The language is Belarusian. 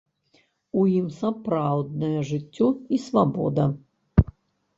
У ім сапраўднае жыццё і свабода.